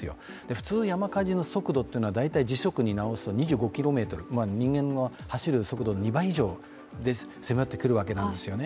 普通山火事の速度は時速に直すと、５ｋｍ、人間の走る速度の２倍以上で迫ってくるわけなんですよね。